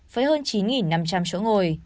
với hơn chín năm trăm linh chỗ ngồi